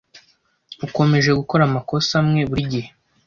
Ukomeje gukora amakosa amwe burigihe.